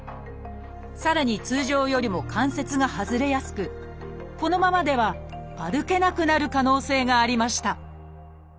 さらに通常よりも関節が外れやすくこのままでは歩けなくなる可能性がありました